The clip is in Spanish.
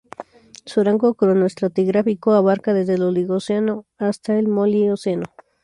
Su rango cronoestratigráfico abarca desde el Oligoceno hasta el Mioceno.